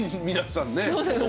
皆さんね